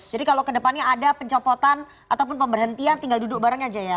jadi kalau kedepannya ada pencopotan ataupun pemberhentian tinggal duduk bareng aja ya